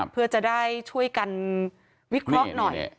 เพื่อจะได้ช่วยกันวิกล็อกหน่อย